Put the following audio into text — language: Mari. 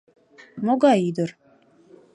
— Могай ӱдыр?